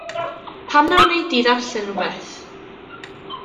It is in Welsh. Pam na wnei di ddarllen rhywbeth?